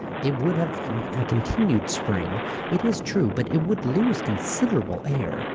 It would have a continued Spring, it is true, but it would lose considerable air.